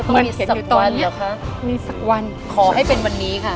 มันก็ต้องมีสักวันเหรอคะ